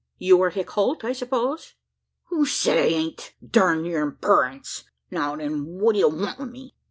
You are Hick Holt, I suppose?" "Who said I ain't durn your imperence? Now, then, what d'ye want wi' me?"